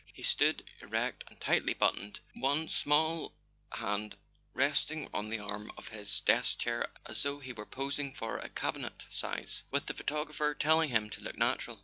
He stood, erect and tightly buttoned, one small hand resting on the arm of his desk chair, as though he were posing for a cabinet size, with the photographer telling him to look natural.